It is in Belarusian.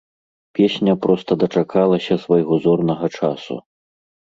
Песня проста дачакалася свайго зорнага часу.